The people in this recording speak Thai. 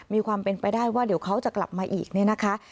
มีความเป็นไปได้ว่าเดี๋ยวเขาจะกลับมาอีกเนี่ยนะคะ